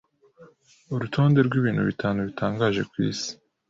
Urutonde rw’ibintu bitanu bitangaje cyane ku isi